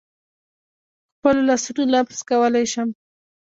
په خپلو لاسونو لمس کولای شم.